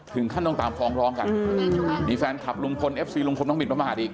ถึงขั้นต้องตามฟ้องร้องกันมีแฟนคลับลุงพลเอฟซีลุงพลน้องหมินประมาทอีก